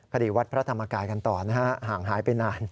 คดีวัดพระธรรมกายกันต่อนะฮะห่างหายไปนาน